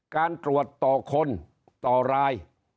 การตรวจต่อคนต่อราย